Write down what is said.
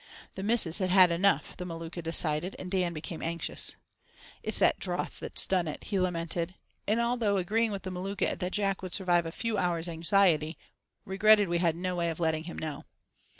"The missus had had enough," the Maluka decided, and Dan became anxious. "It's that drouth that's done it," he lamented; and although agreeing with the Maluka that Jack would survive a few hours' anxiety, regretted we had "no way of letting him know."